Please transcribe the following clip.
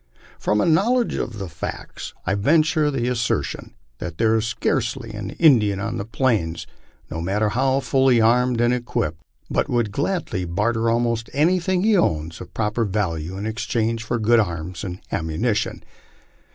From a knowledge of the facts, I venture the assertion that there is scarcely an Indian on the plains, no matter how fully armed and equipped, but will gladly barter almost anything he owns, of proper value, in exchange for good arms and ammunition.